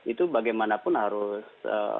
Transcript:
itu bagaimanapun harus